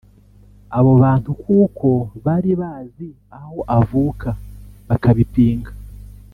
abo bantu kuko bari bazi aho avuka bakabipinga